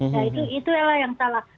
nah itu adalah yang salah